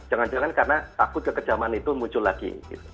jangan jangan karena takut kekejaman itu muncul lagi